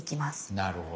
なるほど。